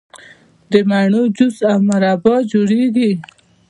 د مڼو جوس او مربا جوړیږي.